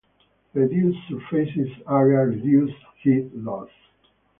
Reduced surface area reduces heat loss.